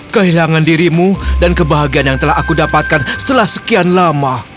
kehilangan dirimu dan kebahagiaan yang telah aku dapatkan setelah sekian lama